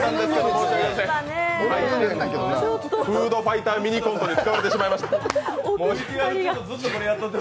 フードファイターミニコントに使われてしまいました。